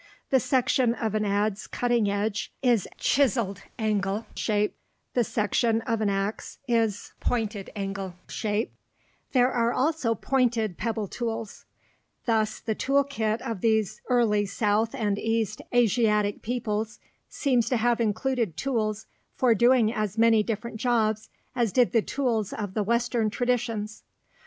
The section of an adze cutting edge is ∠ shaped; the section of an ax is < shaped. [Illustration: ANYATHIAN ADZE LIKE TOOL] There are also pointed pebble tools. Thus the tool kit of these early south and east Asiatic peoples seems to have included tools for doing as many different jobs as did the tools of the Western traditions.